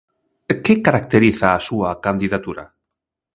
Que caracteriza a súa candidatura?